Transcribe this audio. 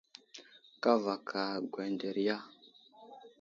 Kavaka ŋgeŋderiya.